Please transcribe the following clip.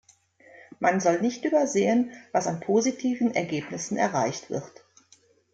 Man soll nicht übersehen, was an positiven Ergebnissen erreicht wird.